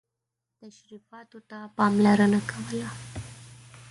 تشریفاتو ته پاملرنه کوله.